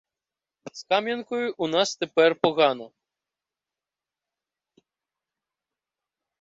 З Кам'янкою у нас тепер погано.